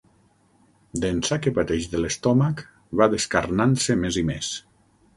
D'ençà que pateix de l'estómac va descarnant-se més i més.